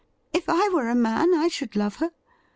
If I were a man, I should love her.